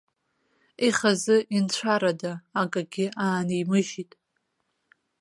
Ихазы инцәарада акагьы аанимыжьит!